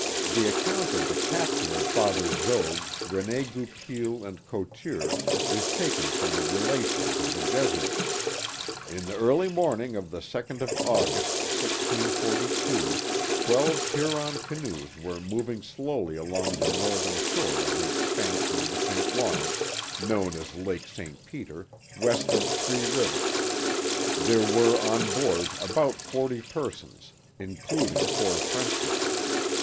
The account of the capture of Father Jogues, Rene Goupil, and Couture, is taken from the Relations of the Jesuits: In the early morning of the second of August, 1642, twelve Huron canoes were moving slowly along the northern shore of the expansion of the St. Lawrence, known as Lake St. Peter, west of Three Rivers. There were on board about forty persons, including four Frenchmen.